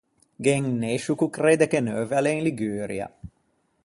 Gh'é un nescio ch'o credde che Neuve a l'é in Liguria.